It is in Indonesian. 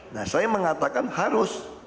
nah saya mengatakan harus